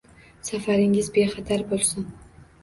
Safaringiz bexatar bo’lsin!